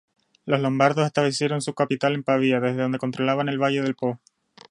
Los lombardos establecieron su capital en Pavía, desde donde controlaban el valle del Po.